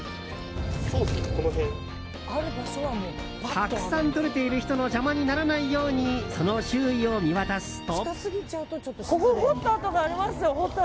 たくさんとれている人の邪魔にならないようにその周囲を見渡すと。